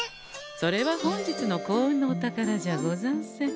それは本日の幸運のお宝じゃござんせん。